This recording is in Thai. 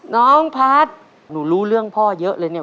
น้องพัฒน์หนูรู้เรื่องพ่อเยอะเลยเนี่ย